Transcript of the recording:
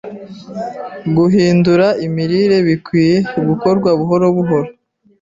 Guhindura imirire bikwiriye gukorwa buhoro buhoro